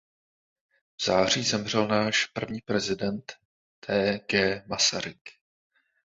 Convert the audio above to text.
V září zemřel náš první president T. G. Masaryk.